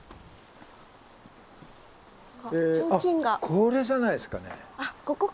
あっこれじゃないですかね？